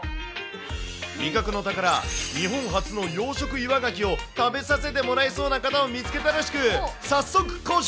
味覚の宝、日本初の養殖岩ガキを食べさせてもらえそうな方を見つけたらしく、早速交渉。